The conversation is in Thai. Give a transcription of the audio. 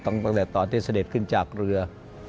ตั้งแต่ตอนที่เสด็จขึ้นจากเรือ